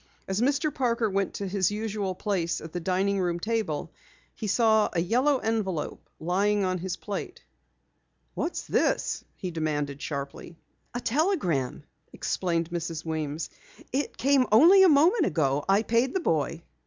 As Mr. Parker went to his usual place at the dining room table, he saw a yellow envelope lying on his plate. "What's this?" he demanded sharply. "A telegram," explained Mrs. Weems. "It came only a moment ago. I paid the boy."